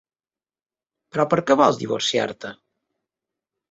Però per què vols divorciar-te?